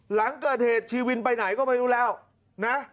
หลังเกิดเหตุชีวินไปไหนก็ไม่รู้แล้วนะ